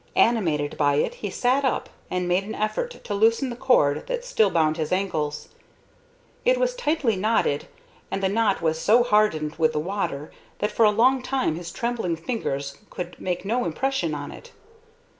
Animated by it he sat up and made an effort to loosen the cord that still bound his ankles. It was tightly knotted, and the knot was so hardened with the water that for a long time his trembling fingers could make no impression on it.